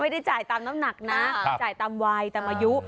ไม่ได้จ่ายตามน้ำหนักนะจ่ายตามวัยตามอายุ